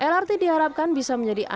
lrt diharapkan bisa menjadi alternatif